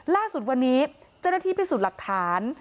ล่าสุดวันนี้เจ้าหน้าที่พิสูจน์หลักฐาน